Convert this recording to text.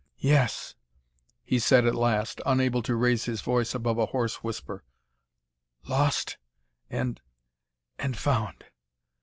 "Yes," he said at last, unable to raise his voice above a hoarse whisper, "lost and and found!